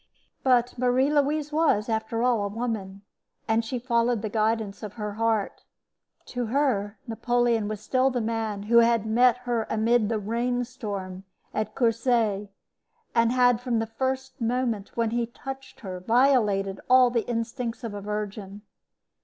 But Marie Louise was, after all, a woman, and she followed the guidance of her heart. To her Napoleon was still the man who had met her amid the rain storm at Courcelles, and had from the first moment when he touched her violated all the instincts of a virgin.